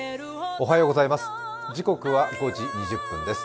おはようございます。